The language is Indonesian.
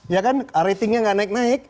ya kan ratingnya nggak naik naik